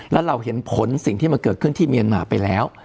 แล้วเราเห็นผลสิ่งที่มันเกิดขึ้นที่เมียนมาไปแล้ว